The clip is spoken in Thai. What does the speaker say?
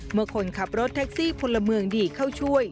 คนขับรถแท็กซี่พลเมืองดีเข้าช่วย